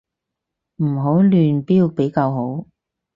唔好亂標比較好